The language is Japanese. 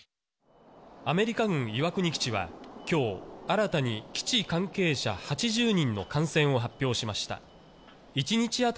アメリカ軍岩国基地は、きょう、新たに基地関係者８０人の感染を発表しました。